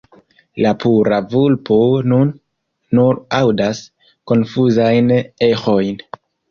La pura vulpo nun nur aŭdas konfuzajn eĥojn.